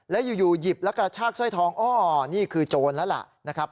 แล้วอยู่หยิบแล้วกระชากสร้อยทองอ้อนี่คือโจรแล้วล่ะนะครับ